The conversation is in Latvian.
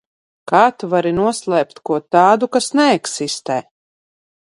Kā tu vari noslēpt ko tādu, kas neeksistē?